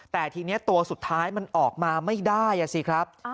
แต่ทีนี้ตัวสุดท้ายมันออกมาไม่ได้สิครับ